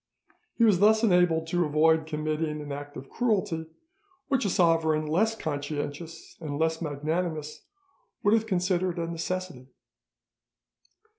He was thus enabled to avoid committing an act of cruelty, which a sovereign less conscientious and less magnanimous would have considered a necessity.